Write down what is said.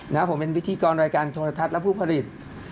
นะผมเป็นพิธีกรรายการโทรทัศน์และผู้ผลิต